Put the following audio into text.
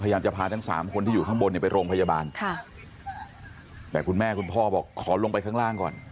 พยายามจะพาทั้งสามคนที่อยู่ข้างบนเนี่ยไปโรงพยาบาลค่ะแต่คุณแม่คุณพ่อบอกขอลงไปข้างล่างก่อน